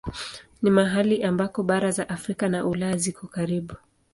Ni mahali ambako bara za Afrika na Ulaya ziko karibu.